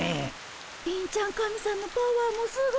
貧ちゃん神さんのパワーもすごいねえ。